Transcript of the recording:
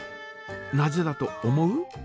なぜだと思う？